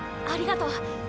ありがとう。